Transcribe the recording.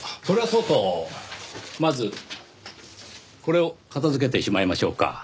それはそうとまずこれを片付けてしまいましょうか。